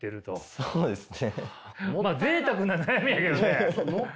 そうですね。